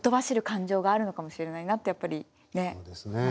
感情があるのかもしれないなってやっぱりね話聞いてると。